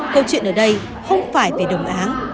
câu chuyện ở đây không phải về đồng án